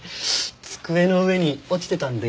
机の上に落ちてたんで。